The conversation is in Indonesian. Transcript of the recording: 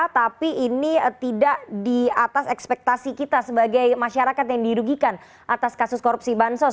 tapi ini tidak di atas ekspektasi kita sebagai masyarakat yang dirugikan atas kasus korupsi bansos